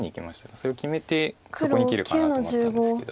それを決めてそこに切るかなと思ったんですけど。